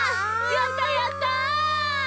やったやった！